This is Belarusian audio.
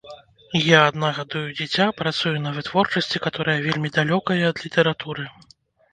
Я адна гадую дзіця, працую на вытворчасці, каторая вельмі далёкая ад літаратуры.